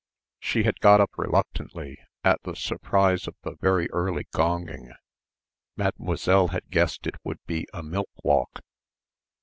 She had got up reluctantly, at the surprise of the very early gonging. Mademoiselle had guessed it would be a "milk walk."